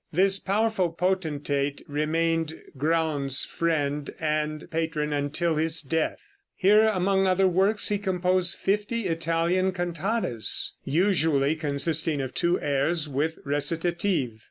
This powerful potentate remained Graun's friend and patron until his death. Here, among other works, he composed fifty Italian cantatas, usually consisting of two airs with recitative.